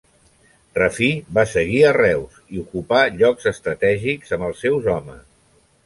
Rafí va seguir a Reus i ocupà llocs estratègics amb els seus homes.